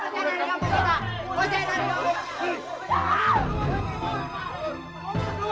dia yang telah dagingmu pak anakmu